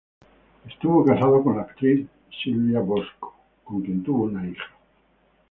Estuvo casado con la actriz Silvina Bosco, con quien tuvo una hija.